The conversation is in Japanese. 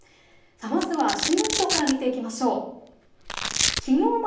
進路予想から見ていきましょう。